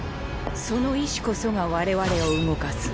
その意志こそが我々を動かす。